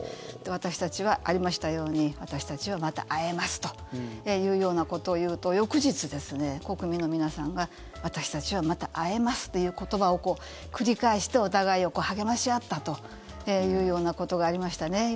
ありましたように私たちはまた会えますというようなことを言うと翌日、国民の皆さんが私たちはまた会えますという言葉を繰り返してお互いを励まし合ったということがありましたね。